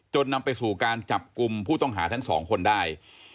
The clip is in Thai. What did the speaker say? นำไปสู่การจับกลุ่มผู้ต้องหาทั้งสองคนได้